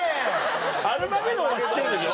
『アルマゲドン』は知ってるでしょ？